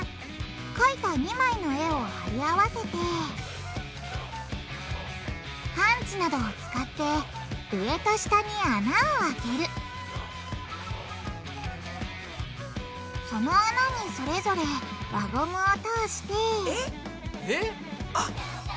かいた２枚の絵を貼り合わせてパンチなどを使って上と下に穴を開けるその穴にそれぞれ輪ゴムを通してえっ？えっ？あっグルグルすんの？